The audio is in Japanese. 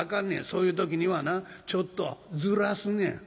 そういう時にはなちょっとずらすねん」。